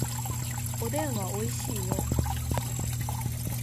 おでんはおいしいよ